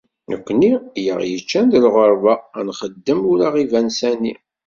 Nekkni i aɣ-yeččan d lɣerba, ad nxeddem ur aɣ-iban sani.